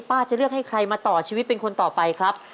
จะเลือกให้ใครมาต่อชีวิตเป็นคนต่อไปครับ